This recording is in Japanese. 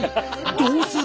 どうする？